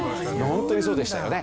ホントにそうでしたよね。